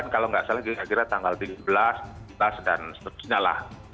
kalau nggak salah kira kira tanggal tiga belas dan seterusnya lah